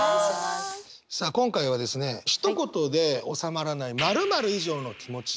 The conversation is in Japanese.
さあ今回はですねひと言で収まらない○○以上の気持ち。